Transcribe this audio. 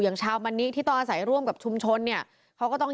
อย่างชาวมันนิที่ต้องอาศัยร่วมกับชุมชนเนี่ยเขาก็ต้อง